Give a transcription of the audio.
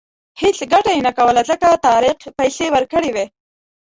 هېڅ ګټه یې نه کوله ځکه طارق پیسې ورکړې وې.